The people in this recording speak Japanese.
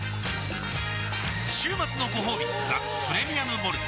週末のごほうび「ザ・プレミアム・モルツ」